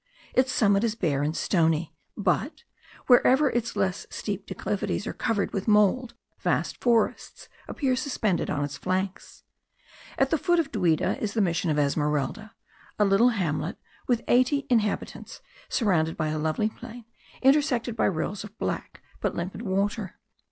Its summit is bare and stony, but, wherever its less steep declivities are covered with mould vast forests appear suspended on its flanks. At the foot of Duida is the mission of Esmeralda, a little hamlet with eighty inhabitants, surrounded by a lovely plain, intersected by rills of black but limpid water.